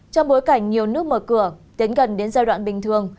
trong bối cảnh nhiều nước mở cửa tiến gần đến giai đoạn bình thường